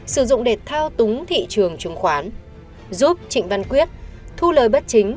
sử dụng để thao túng thị trường chứng khoán giúp trịnh văn quyết thu lời bất chính